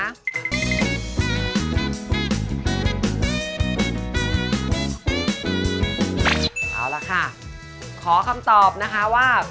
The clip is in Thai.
ใครคือผู้แข็งแกร่งอึดถึกทนที่สุดในรายการคะ